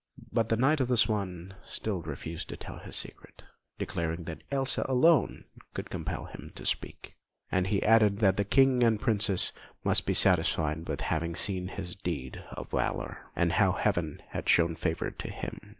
But the Knight of the Swan still refused to tell his secret, declaring that Elsa alone could compel him to speak; and he added that the King and princes must be satisfied with having seen his deed of valour, and how Heaven had shown favour to him.